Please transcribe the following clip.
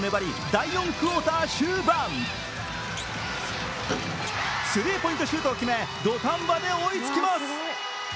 第４クオーター終盤、スリーポイントシュートを決め土壇場で追いつきます。